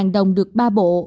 một trăm linh đồng được ba bộ